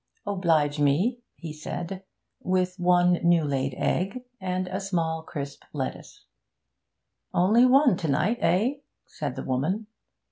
'Oblige me,' he said, 'with one new laid egg, and a small, crisp lettuce.' 'Only one to night, eh?' said the woman.